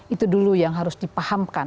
itu dulu yang harus dipahamkan